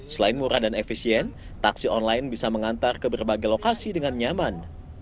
selain murah dan efisien taksi online bisa mengantar ke berbagai lokasi dengan nyaman